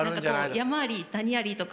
山あり谷ありとか。